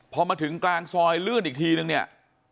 พอมาถึงกลางซอยลื่นอีกทีนึงเนี่ย